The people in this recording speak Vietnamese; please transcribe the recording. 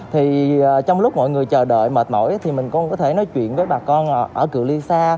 thì trong lúc mọi người chờ đợi mệt mỏi thì mình con có thể nói chuyện với bà con ở cửa ly xa